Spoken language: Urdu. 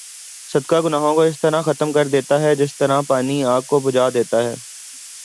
صدقہ گناہوں کو اس طرح ختم کر دیتا ہے جس طرح پانی آگ کو بھجا دیتا ہے